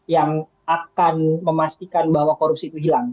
yang akan memastikan bahwa korupsi itu hilang